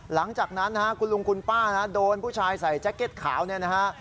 หลังจากนั้นนะฮะคุณลุงคุณป้านะโดนผู้ชายใส่แจ็คเก็ตขาวเนี่ยนะฮะ